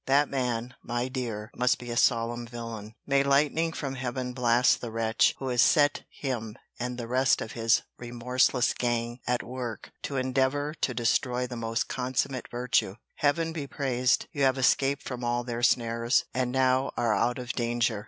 That man, my dear, must be a solemn villain. May lightning from Heaven blast the wretch, who has set him and the rest of his REMORSELESS GANG at work, to endeavour to destroy the most consummate virtue!—Heaven be praised! you have escaped from all their snares, and now are out of danger.